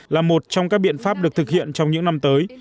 là một trong các biện pháp được thực hiện trong những năm tới